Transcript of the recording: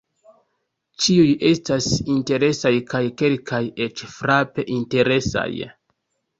Ĉiuj estas interesaj kaj kelkaj eĉ frape interesaj.